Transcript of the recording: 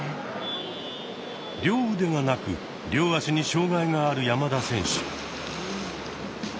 両腕がなく両足に障害がある山田選手。